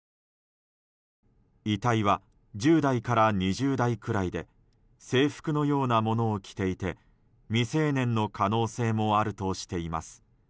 遺体は１０代から２０代くらいで制服のようなものを着ていて未成年の可能性もあるとしています。